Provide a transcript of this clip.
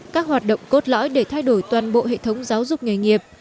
các hoạt động cốt lõi để thay đổi toàn bộ hệ thống giáo dục nghề nghiệp